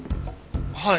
はい。